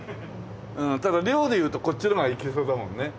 ただ量でいうとこっちの方がいけそうだもんね。